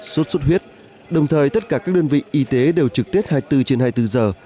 sốt xuất huyết đồng thời tất cả các đơn vị y tế đều trực tết hai mươi bốn trên hai mươi bốn giờ